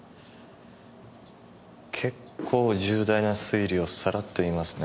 結構重大な推理をサラッと言いますね。